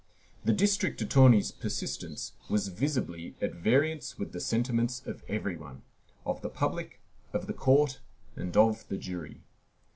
The district attorney's persistence was visibly at variance with the sentiments of every one, of the public, of the court, and of the jury.